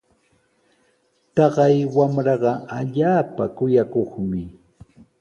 Taqay wamraqa allaapa kuyakuqmi.